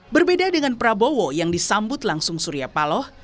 berbeda dengan prabowo yang disambut langsung surya paloh